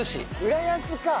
浦安か！